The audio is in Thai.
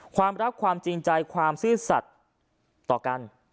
ความรักความจริงใจความซื่อสัตว์ต่อกัน